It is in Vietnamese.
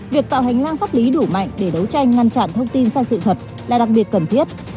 việc tạo hành lang pháp lý đủ mạnh để đấu tranh ngăn chặn thông tin sai sự thật là đặc biệt cần thiết